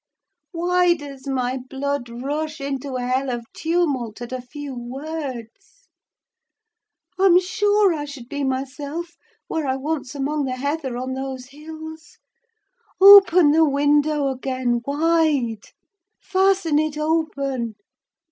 why does my blood rush into a hell of tumult at a few words? I'm sure I should be myself were I once among the heather on those hills. Open the window again wide: fasten it open!